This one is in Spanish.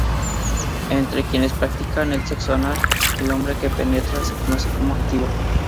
Entre quienes practican el sexo anal, el hombre que penetra se conoce como activo.